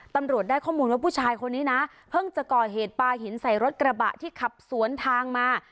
ตำรวจได้ข้อมูลว่าผู้ชายคนนี้นะเพิ่งจะก่อเหตุปลาหินใส่รถกระบะที่ขับสวนทางมา